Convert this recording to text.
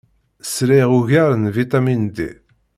Sriɣ ugar n vitamin D.